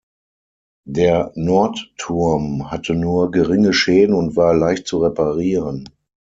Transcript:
Der Nordturm hatte nur geringe Schäden und war leicht zu reparieren.